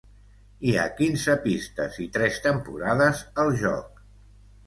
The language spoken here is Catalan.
Hi ha quinze pistes i tres temporades al joc.